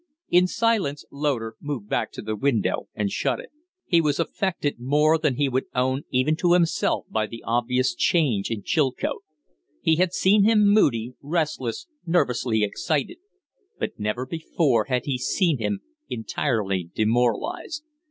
In silence Loder moved back to the window and shut it. He was affected more than he would own even to himself by the obvious change in Chilcote. He had seen him moody, restless, nervously excited; but never before had he seen him entirely demoralized.